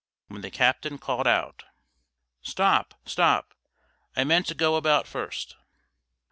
when the captain called out "Stop! stop! I meant to go about first."